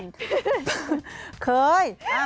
คุณเคยไหม